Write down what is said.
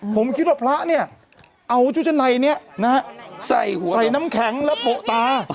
ผมคิดว่าพระเนี่ยเอาชุดชั้นในนี้นะฮะใส่หัวใส่น้ำแข็งแล้วโปะตา